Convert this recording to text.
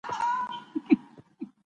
د یوه ګڼ ځنګل په منځ کې موقعیت درلود.